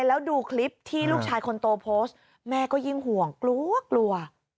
แล้วดูคลิปที่ลูกชายคนโตโพสต์แม่ก็ยิ่งห่วงกลัวกลัว